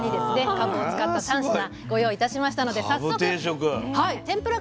かぶを使った３品ご用意いたしましたので早速天ぷらから。